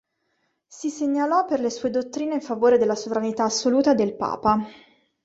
Si segnalò per le sue dottrine in favore della sovranità assoluta del papa.